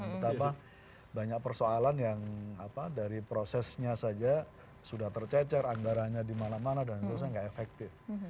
betapa banyak persoalan yang dari prosesnya saja sudah tercecer anggaranya di mana mana dan sebagainya tidak efektif